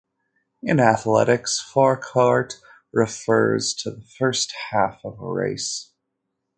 In athletics, forecourt refers to the first half of a race.